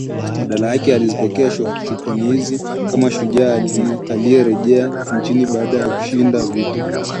badala yake alizipokea shukrani hizi kama shujaa aliyerejea nchini baada ya kushinda vita